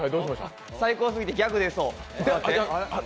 最高すぎてギャグ出そう。